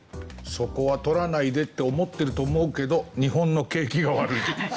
そこは取らないでって思ってると思うけど日本の景気が悪い。